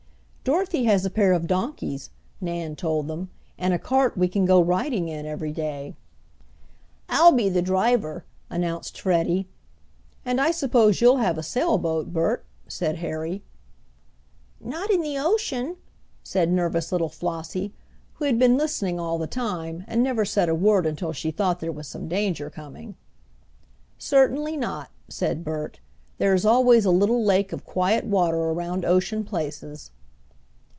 "Dorothy has a pair of donkeys," Nan told them, "and a cart we can go riding in every day." "I'll be the driver," announced Freddie. "And I suppose you'll have a sailboat, Bert!" said Harry. "Not in the ocean," said nervous little Flossie, who had been listening all the time and never said a word until she thought there was some danger coming. "Certainly not," said Bert; "there is always a little lake of quiet water around ocean places."